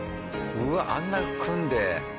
うわっあんな組んで。